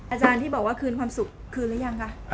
อาจารย์ที่บอกว่าคืนความสุขคืนหรือยังคะ